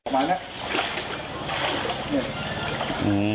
มากระบาดนี่